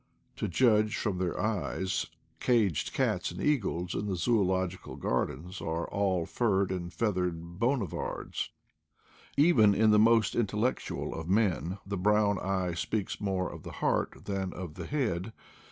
To judge from their eyes, caged cats and eagles in the Zoological Gardens are all furred and feathered Bonnivards. Even in the most intellectual of men the brown eye speaks more of the heart than of the head.